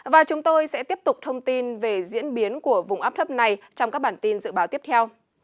và chúng tôi sẽ tiếp tục thông tin về diễn biến của vùng áp thấp này trong các bản tin dự báo tiếp theo